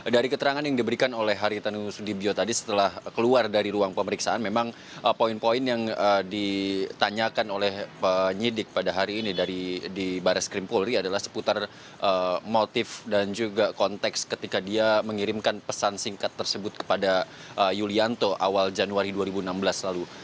dari keterangan yang diberikan oleh haritanusudibio tadi setelah keluar dari ruang pemeriksaan memang poin poin yang ditanyakan oleh penyidik pada hari ini di baras krim polri adalah seputar motif dan juga konteks ketika dia mengirimkan pesan singkat tersebut kepada yulianto awal januari dua ribu enam belas lalu